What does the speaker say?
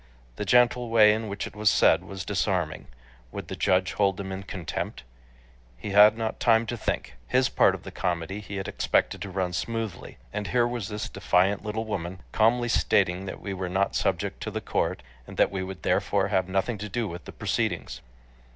The gentle way in which it was said was disarming. Would the judge hold them in contempt? He had not time to think. His part of the comedy he had expected to run smoothly, and here was this defiant little woman calmly stating that we were not subject to the court, and that we would therefore have nothing to do with the proceedings.